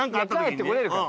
帰ってこれるから。